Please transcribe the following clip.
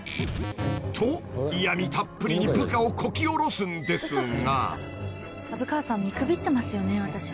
［と嫌みたっぷりに部下をこき下ろすんですが］